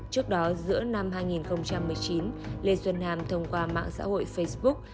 trước đó giữa năm hai nghìn một mươi chín lê xuân hàm thông qua mạng xã hội facebook